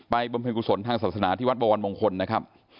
ไปบรรพิกุศลทางศาสนาที่วัดบวรรณมงคลนะครับ